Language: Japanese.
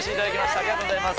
ありがとうございます。